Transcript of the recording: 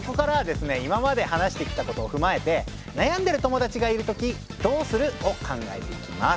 今まで話してきたことをふまえて悩んでる友だちがいるときどうする？を考えていきます。